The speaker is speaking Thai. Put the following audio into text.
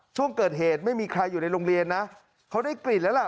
ช่วงเกิดเหตุไม่มีใครอยู่ในโรงเรียนนะเขาได้กลิ่นแล้วล่ะ